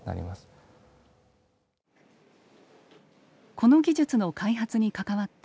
この技術の開発に関わった